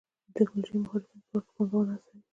د ټکنالوژۍ او مهارتونو په برخه کې پانګونه هڅوي.